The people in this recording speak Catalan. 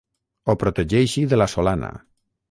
Ho protegeixi de la solana.